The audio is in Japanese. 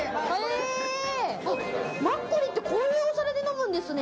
マッコリって、こういうお皿で飲むんですね。